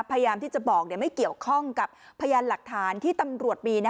พยายามที่จะบอกไม่เกี่ยวข้องกับพยานหลักฐานที่ตำรวจมี